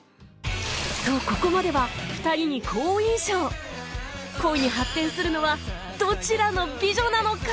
とここまでは恋に発展するのはどちらの美女なのか！？